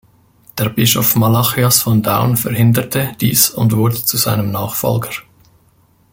Der Bischof Malachias von Down verhinderte dies und wurde zu seinem Nachfolger.